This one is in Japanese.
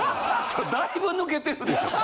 だいぶ抜けてるでしょ。